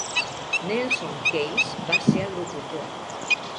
Nelson Case va ser el locutor.